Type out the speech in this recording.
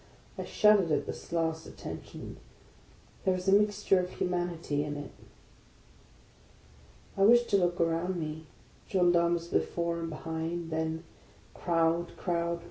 I shuddered at this last at tention. There is a mixture of humanity in it. I wished to look around me, — gendarmes before and be hind: then crowd! crowd!